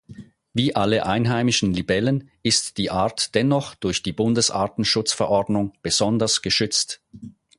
Wie alle einheimischen Libellen ist die Art dennoch durch die Bundesartenschutzverordnung „besonders geschützt“.